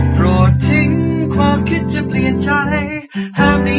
โปรดทิ้งความคิดจะเปลี่ยนใจ